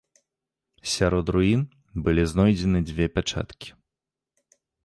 Сярод руін былі знойдзены дзве пячаткі.